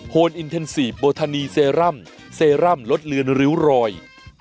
นอินเทนซีฟโบทานีเซรั่มเซรั่มลดเลือนริ้วรอย